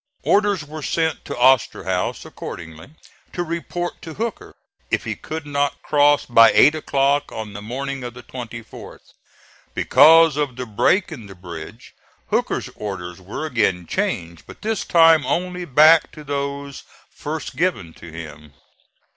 Orders were sent to Osterhaus accordingly to report to Hooker, if he could not cross by eight o'clock on the morning of the 24th. Because of the break in the bridge, Hooker's orders were again changed, but this time only back to those first given to him.